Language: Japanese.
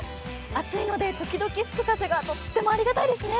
暑いので時々吹く風がとってもありがたいですね。